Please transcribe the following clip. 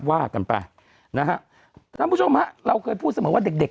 ว่ากันไปนะครับท่านผู้ชมเราเคยพูดเสมอว่าเด็ก